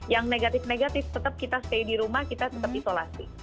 yang negatif negatif tetap kita stay di rumah kita tetap isolasi